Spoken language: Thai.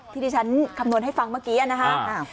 ที่ที่ฉันคำนวณให้ฟังเมื่อกี้นะครับ